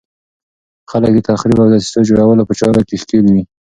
خلک د تخریب او دسیسو جوړولو په چارو کې ښکېل وي.